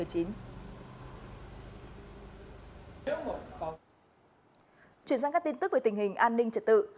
chuyển sang các tin tức về tình hình an ninh trật tự